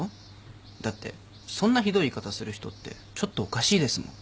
だってそんなひどい言い方する人ってちょっとおかしいですもん。